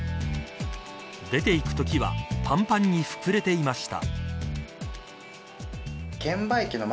出て行くときはぱんぱんに膨れていました。